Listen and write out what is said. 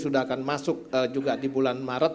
sudah akan masuk juga di bulan maret